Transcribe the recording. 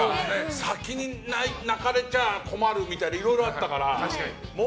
先に泣かれちゃ困るみたいないろいろあったから。